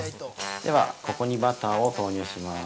では、ここにバターを投入します。